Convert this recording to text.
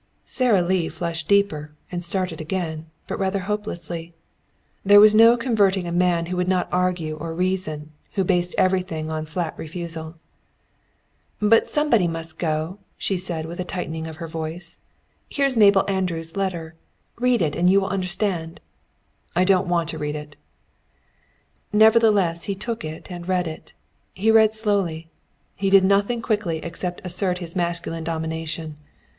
Sara Lee flushed deeper and started again, but rather hopelessly. There was no converting a man who would not argue or reason, who based everything on flat refusal. "But somebody must go," she said with a tightening of her voice. "Here's Mabel Andrews' letter. Read it and you will understand." "I don't want to read it." Nevertheless he took it and read it. He read slowly. He did nothing quickly except assert his masculine domination.